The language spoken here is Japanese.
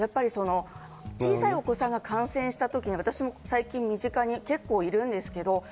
小さいお子さんが感染した時に、私も身近にいるんですけど。